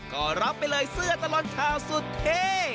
ก็รับไปเลยเสื้อตลอดข่าวสุดเท่